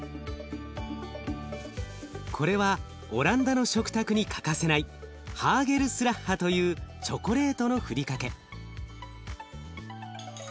これはオランダの食卓に欠かせないハーゲルスラッハというチョコレートのふりかけ。